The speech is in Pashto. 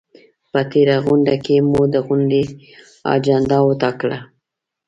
په تېره غونډه کې مو د غونډې اجنډا وټاکله؟